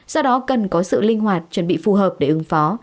do đó cần có sự linh hoạt chuẩn bị phù hợp để ứng phó